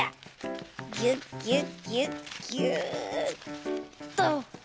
ぎゅっぎゅっぎゅっぎゅっと。